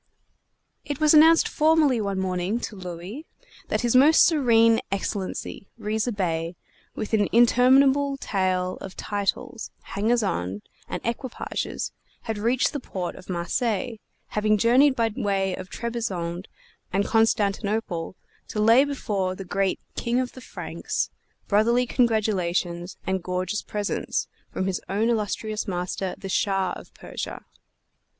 It was announced formally, one morning, to Louis, that His Most Serene Excellency, Riza Bey, with an interminable tail of titles, hangers on and equipages, had reached the port of Marseilles, having journeyed by way of Trebizond and Constantinople, to lay before the great "King of the Franks" brotherly congratulations and gorgeous presents from his own illustrious master, the Shah of Persia.